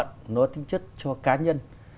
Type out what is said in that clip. nó có tính chất cho cá nhân